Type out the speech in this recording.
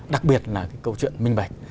đặc biệt là cái câu chuyện minh bạch